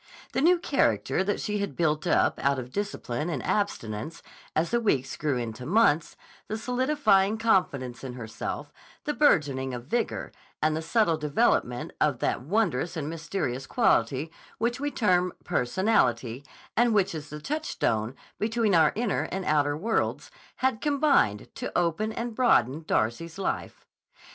The new character that she had built up out of discipline and abstinence as the weeks grew into months, the solidifying confidence in herself, the burgeoning of vigor, and the subtle development of that wondrous and mysterious quality which we term personality and which is the touchstone between our inner and outer worlds, had combined to open and broaden Darcy's life.